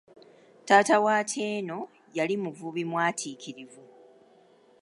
Taata wa Atieno yali muvubi mwatiikirivu.